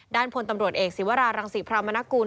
พลตำรวจเอกศิวรารังศรีพรามนกุล